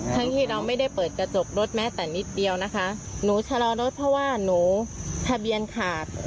ที่เราไม่ได้เปิดกระจกรถแม้แต่นิดเดียวนะคะหนูชะลอรถเพราะว่าหนูทะเบียนขาด